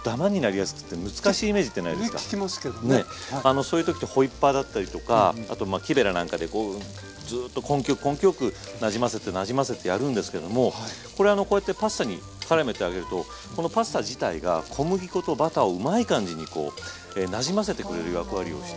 そういう時ってホイッパーだったりとかあとまあ木べらなんかでずっと根気よく根気よくなじませてなじませてやるんですけどもこれあのこうやってパスタにからめてあげるとこのパスタ自体が小麦粉とバターをうまい感じにこうなじませてくれる役割をして。